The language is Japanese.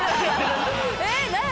えっ？何や？